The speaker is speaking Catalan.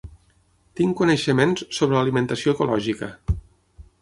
Tinc coneixements sobre l'alimentació ecològica.